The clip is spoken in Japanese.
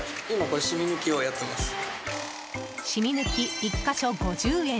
染み抜き１か所５０円。